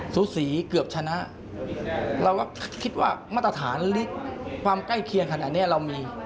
สู้สีเกือบชนะ